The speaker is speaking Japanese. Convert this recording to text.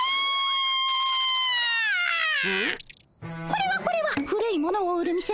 これはこれは古いものを売る店の社長